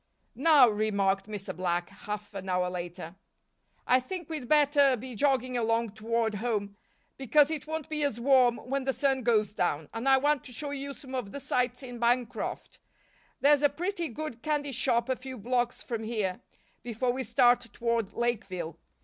"Now," remarked Mr. Black, half an hour later, "I think we'd better be jogging along toward home because it won't be as warm when the sun goes down and I want to show you some of the sights in Bancroft there's a pretty good candy shop a few blocks from here before we start toward Lakeville.